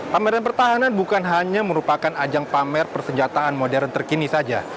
pameran pertahanan bukan hanya merupakan ajang pamer persenjataan modern terkini saja